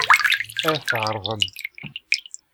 Ad t-ɛerḍen.